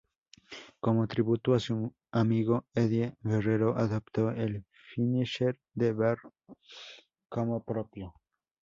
Como tributo a su amigo, Eddie Guerrero adoptó el finisher de Barr como propio.